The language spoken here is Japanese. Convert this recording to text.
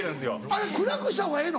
あれ暗くした方がええの？